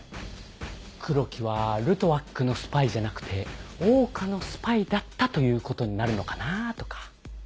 黒木はルトワックのスパイじゃなくて桜花のスパイだったということになるのかなとか。